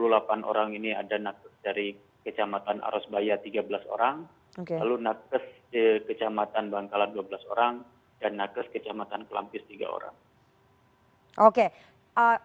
lalu nakkes di kecamatan bangkala dua belas orang dan nakkes di kecamatan kelampis tiga orang